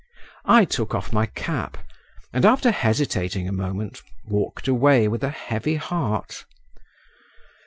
I took off my cap, and after hesitating a moment, walked away with a heavy heart.